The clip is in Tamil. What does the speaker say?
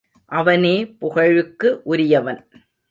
அவனே புகழுக்கு உரியவன்.